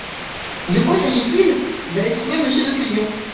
De quoi s'agit-il ? D'aller trouver Monsieur de Crillon.